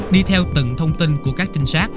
đi theo từng thông tin của các trinh sát